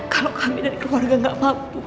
kalau kami dari keluarga gak mampu